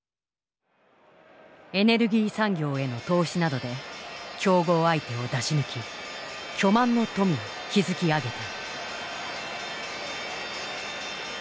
エネルギー産業への投資などで競合相手を出し抜き巨万の富を築き上げた。